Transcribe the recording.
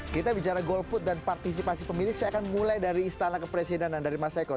kita bicara golput dan partisipasi pemilih saya akan mulai dari istana kepresidenan dari mas eko